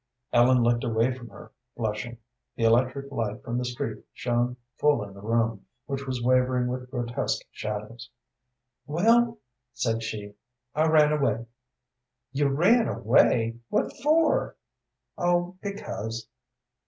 Ellen looked away from her, blushing. The electric light from the street shone full in the room, which was wavering with grotesque shadows. "Well," said she, "I ran away." "You ran away! What for?" "Oh, because."